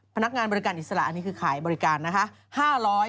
พนักงานบริการอิสระอันนี้คือขายบริการนะคะ